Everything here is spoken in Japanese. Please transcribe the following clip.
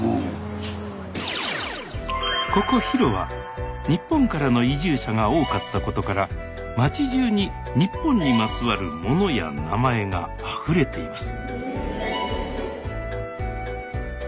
ここヒロは日本からの移住者が多かったことから町じゅうに日本にまつわる「もの」や「名前」があふれています